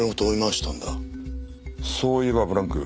そういえばブランク。